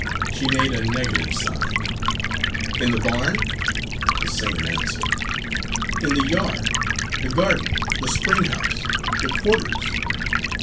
She made a negative sign. "In the barn?" The same answer. "In the yard? the garden? the spring house? the quarters?"